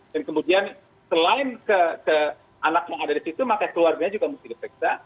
dan kemudian selain ke anak yang ada di situ maka keluarganya juga mesti diseksa